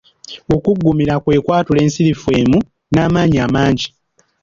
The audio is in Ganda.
Okuggumira kwe kwatula ensirifu emu n’amaanyi amangi.